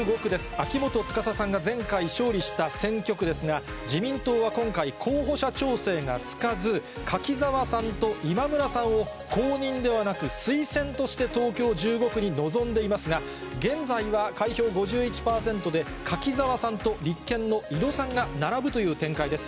秋元司さんが前回勝利した選挙区ですが、自民党は今回、候補者調整がつかず、柿沢さんと今村さんを公認ではなく、推薦として東京１５区に臨んでいますが、現在は開票５１％で、柿沢さんと立憲の井戸さんが並ぶという展開です。